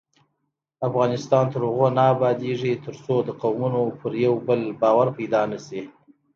افغانستان تر هغو نه ابادیږي، ترڅو د قومونو پر یو بل باور پیدا نشي.